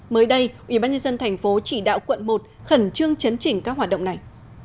mới đây ubnd tp chỉ đạo quận một khẩn trương chấn chỉnh các hoạt động này